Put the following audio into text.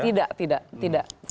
tidak tidak tidak